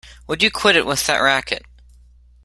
Would you quit it with that racket!